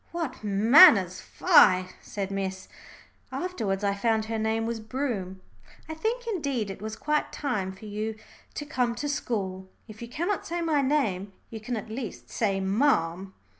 "What manners! Fie!" said Miss ; afterwards I found her name was Broom. "I think indeed it was quite time for you to come to school. If you cannot say my name, you can at least say ma'am."